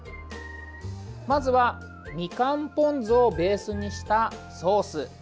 まずはみかんポン酢をベースにしたソース。